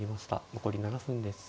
残り７分です。